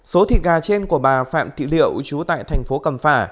số thịt gà trên của bà phạm thị liệu chú tại thành phố cầm phả